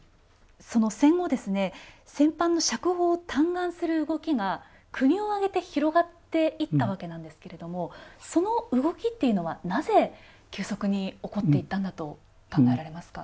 戦後、戦犯の釈放を嘆願する動きが国を挙げて広がっていったわけなんですけれどもその動きっていうのはなぜ急速に起こっていったんだと考えられますか。